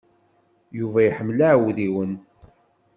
Yuba iḥemmel iɛudiwen.